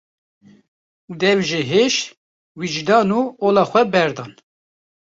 Dev ji heş, wijdan û ola xwe berdan.